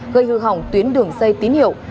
gây hư hỏng tuyến đường dây tín hiệu